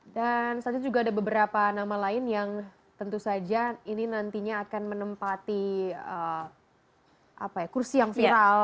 dan selanjutnya juga ada beberapa nama lain yang tentu saja ini nantinya akan menempati kursi yang viral